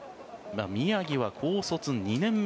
宮城は高卒２年目。